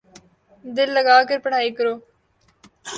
دل لگا کر پڑھائی کرو